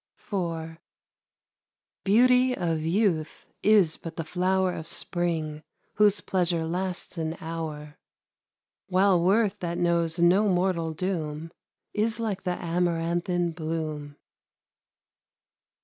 IV Beauty of youth is but the flower Of spring, whose pleasure lasts an hour; While worth that knows no mortal doom Is like the amaranthine bloom.